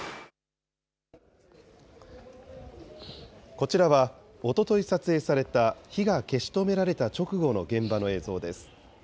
こちらはおととい撮影された、火が消し止められた直後の現場の映像です。